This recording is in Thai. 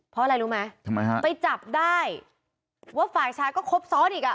เพราะอะไรรู้ไหมทำไมฮะไปจับได้ว่าฝ่ายชายก็ครบซ้อนอีกอ่ะ